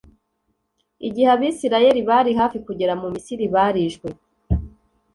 igihe Abisirayeli bari hafi kugera mu misiri barishwe